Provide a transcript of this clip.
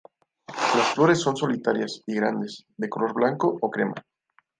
Las flores son solitarias y grandes de color blanco o crema.